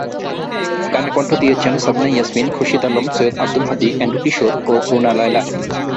গানে কণ্ঠ দিয়েছেন সাবিনা ইয়াসমিন, খুরশিদ আলম, সৈয়দ আব্দুল হাদী, এন্ড্রু কিশোর ও রুনা লায়লা।